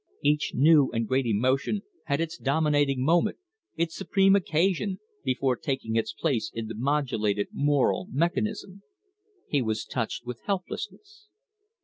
Each new and great emotion has its dominating moment, its supreme occasion, before taking its place in the modulated moral mechanism. He was touched with helplessness.